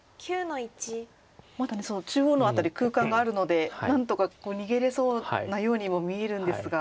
まだ中央の辺り空間があるので何とかここ逃げれそうなようにも見えるんですが。